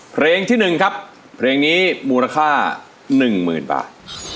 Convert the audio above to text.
เพลงที่หนึ่งครับเพลงนี่มูลค่านึงเมืองบาท